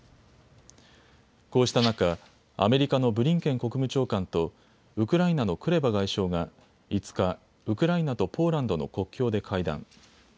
こうした中、アメリカのブリンケン国務長官とウクライナのクレバ外相が５日、ウクライナとポーランドの国境で会談。